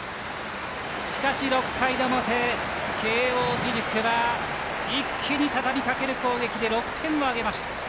しかし６回の表、慶応義塾は一気にたたみかける攻撃で６点を挙げました。